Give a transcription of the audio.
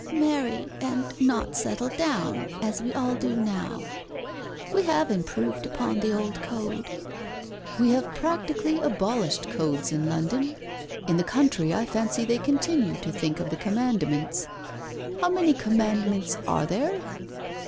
"Marry and not settle down, as we all do now? We have improved upon the old code." "We have practically abolished codes in London. In the country I fancy they continue to think of the commandments. How many commandments are there?"